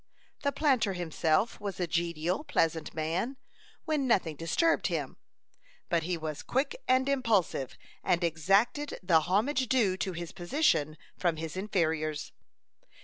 The planter himself was a genial, pleasant man, when nothing disturbed him; but he was quick and impulsive, and exacted the homage due to his position from his inferiors.